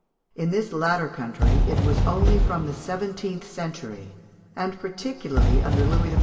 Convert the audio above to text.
In this latter country, it was only from the seventeenth century, and particularly under Louis XIV.